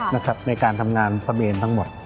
ในการทำงานพระเมนทั้งหมด